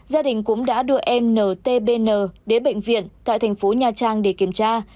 gia đình cũng đã đưa em n t b n đến bệnh viện tại thành phố nha trang để kiểm tra